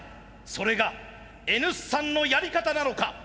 それがＮ産のやり方なのか。